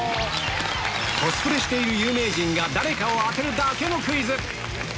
コスプレしている有名人が誰かを当てるだけのクイズ